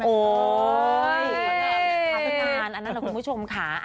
ถ้ากิจการอันนั้นคุณผู้ชมค่ะ